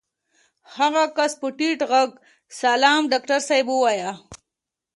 هغه کس په ټيټ غږ سلام ډاکټر صاحب ووايه.